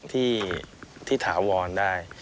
ที่ถาวรได้